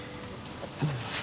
うん。